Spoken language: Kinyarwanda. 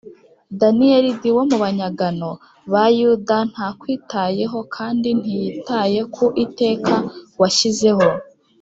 Daniyelid wo mu banyagano ba yuda ntakwitayeho kandi ntiyitaye ku iteka washyizeho